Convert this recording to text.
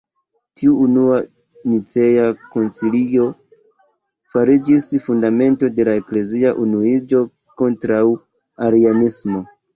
Tiu unua Nicea koncilio fariĝis fundamento de la eklezia unuiĝo kontraŭ arianismo.